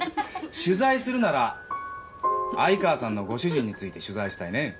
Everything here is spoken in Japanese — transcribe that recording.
取材するなら愛川さんのご主人について取材したいね。